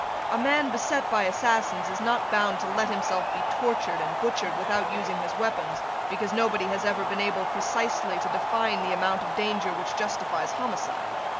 A man beset by assassins is not bound to let himself be tortured and butchered without using his weapons, because nobody has ever been able precisely to define the amount of danger which justifies homicide.